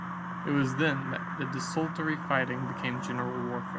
It was then that desultory fighting became general warfare.